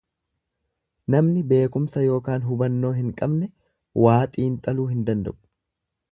Namni beekumsa ykn hubannoo hin qabne waa xiinxaluu hin danda'u.